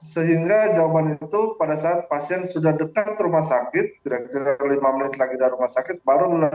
sehingga jawaban itu pada saat pasien sudah dekat rumah sakit kira kira lima menit lagi dari rumah sakit baru